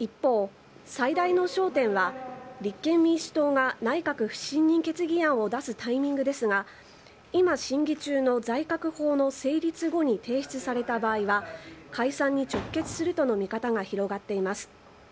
一方、最大の焦点は立憲民主党が内閣不信任決議案を出すタイミングですが、今、審議中の財確法の成立後に提出された場合は、解散に直結するとの見方が広がっています。